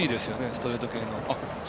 ストレート系の。